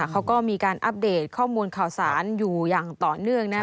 เขาก็มีการอัปเดตข้อมูลข่าวสารอยู่อย่างต่อเนื่องนะครับ